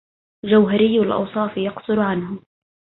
جوهري الأوصاف يقصر عنه